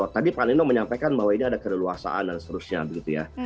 tadi pak nino menyampaikan bahwa ini ada keleluasaan dan seterusnya begitu ya